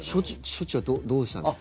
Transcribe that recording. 処置はどうしたんです？